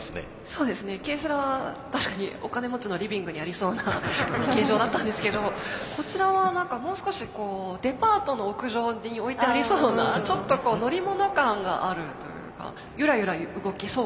そうですねＫセラは確かにお金持ちのリビングにありそうな形状だったんですけどもこちらは何かもう少しデパートの屋上に置いてありそうなちょっと乗り物感があるというかゆらゆら動きそうな形をしてますね。